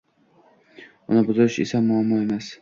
Uni buzish esa muammo emas.